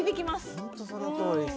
ホントそのとおりです。